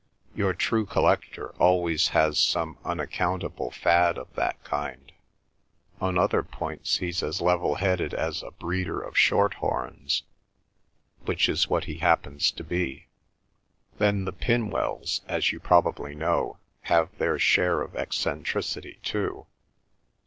Your true collector always has some unaccountable fad of that kind. On other points he's as level headed as a breeder of shorthorns, which is what he happens to be. Then the Pinwells, as you probably know, have their share of eccentricity too.